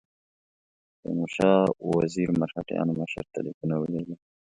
تیمورشاه وزیر مرهټیانو مشر ته لیکونه ولېږل.